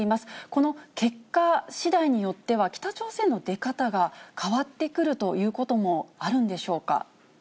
この結果しだいによっては、北朝鮮の出方が変わってくるということもあるんでしょうか。